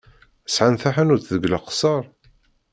Sɛan taḥanut deg Leqṣeṛ?